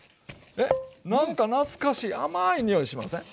なんか懐かしい甘いにおいしません？